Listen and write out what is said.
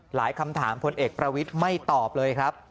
คำถามพลเอกประวิทย์ไม่ตอบเลยครับ